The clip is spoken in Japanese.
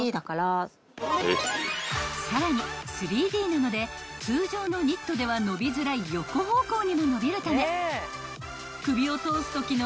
［さらに３Ｄなので通常のニットでは伸びづらい横方向にも伸びるため首を通すときの］